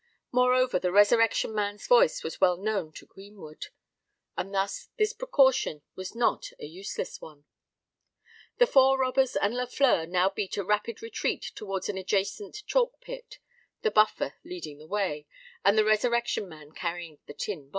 Moreover, the Resurrection Man's voice was well known to Greenwood; and thus this precaution was not an useless one. The four robbers and Lafleur now beat a rapid retreat towards an adjacent chalk pit, the Buffer leading the way, and the Resurrection Man carrying the box.